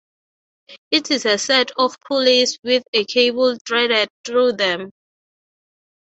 It is a set of pulleys with a cable threaded through them.